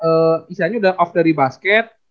misalnya udah off dari basket